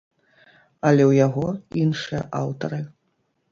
Але ў яго іншыя аўтары.